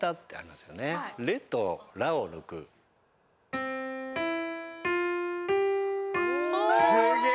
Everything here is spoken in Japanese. すげえ！